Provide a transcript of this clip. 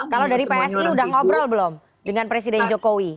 kalau dari psi udah ngobrol belum dengan presiden jokowi